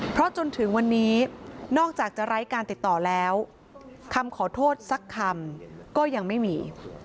เพราะจนถึงวันนี้นอกจากจะไร้การติดต่อแล้วคำขอโทษสักคำก็ยังไม่มี